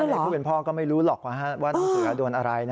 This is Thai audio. นี่ผู้เป็นพ่อก็ไม่รู้หรอกว่าน้องเสือโดนอะไร